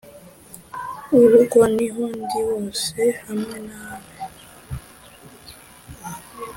urugo niho ndi hose hamwe nawe.